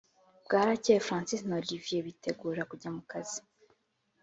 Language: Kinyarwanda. bwarakeye francis na olivier bitegura kujya kukazi